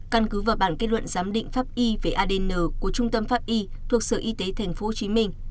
căn cứ vào bản kết luận giám định pháp y về adn của trung tâm pháp y thuộc sở y tế tp hcm